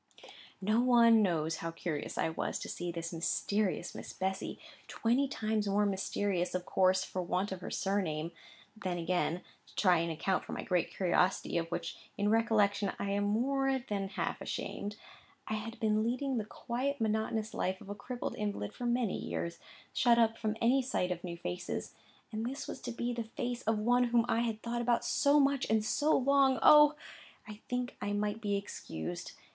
No one knows how curious I was to see this mysterious Miss Bessy—twenty times more mysterious, of course, for want of her surname. And then again (to try and account for my great curiosity, of which in recollection I am more than half ashamed), I had been leading the quiet monotonous life of a crippled invalid for many years,—shut up from any sight of new faces; and this was to be the face of one whom I had thought about so much and so long,—Oh! I think I might be excused.